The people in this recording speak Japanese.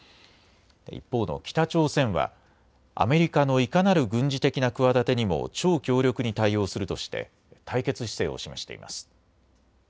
一方の北朝鮮はアメリカのいかなる軍事的な企てにも超強力に対応するとして対決姿勢を示しています。